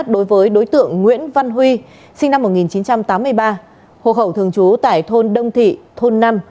đối với đối tượng nguyễn văn huy sinh năm một nghìn chín trăm tám mươi ba hộ khẩu thường trú tại thôn đông thị thôn năm